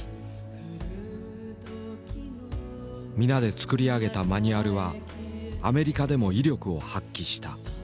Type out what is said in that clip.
皆で作り上げたマニュアルはアメリカでも威力を発揮した。